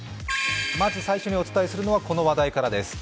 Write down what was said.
まず最初にお伝えするのはこの話題からです。